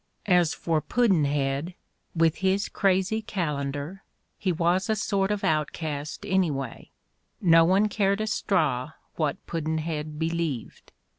As for Pudd'nhead, with his crazy calendar, he was a sort of outcast, anyway; no one cared a straw what Pudd'nhead believed.